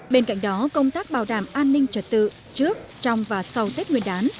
bên cạnh đó công tác bảo đảm an ninh trật tự trước trong và sau tết nguyên đán